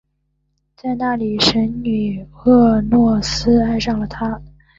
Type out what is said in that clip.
在那里神女俄诺斯爱上了他。